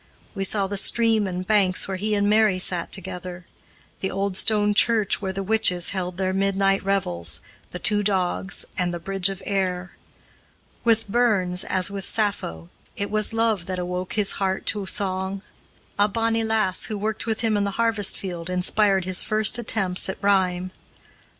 We saw the stream and banks where he and Mary sat together, the old stone church where the witches held their midnight revels, the two dogs, and the bridge of Ayr. With Burns, as with Sappho, it was love that awoke his heart to song. A bonny lass who worked with him in the harvest field inspired his first attempts at rhyme.